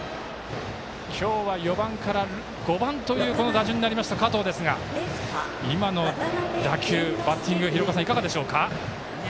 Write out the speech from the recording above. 今日は４番から５番という打順になった加藤ですが今の打球、バッティング廣岡さん、いかがでしょうか。